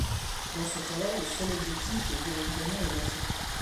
Dans ce cas là, le seul objectif est bien évidemment le maintien.